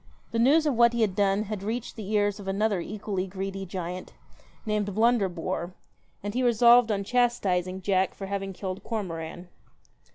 The news of what he had done had reached the ears of another equally greedy giant, named Blunder bore, and he resolved on chastising Jack for having killed Cormoran.